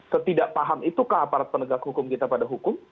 setidak paham itu keaparat penegak hukum kita pada hukum